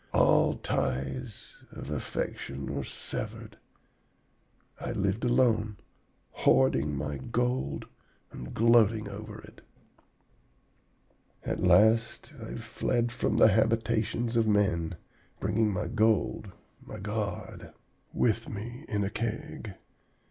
All ties of affection were severed. I lived alone, hoarding my gold and gloating over it. "'At last I fled from the habitations of men, bringing my gold, my god, with me in a Keg.